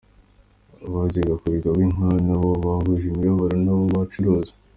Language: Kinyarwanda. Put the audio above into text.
Abajyaga kuriguramo inka nabo bahuje imibabaro n’abo bacuruzi.